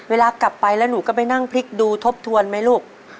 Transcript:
เวลากลับไปแล้วหนูก็ไปนั่งพลิกดูทบทวนไหมลูก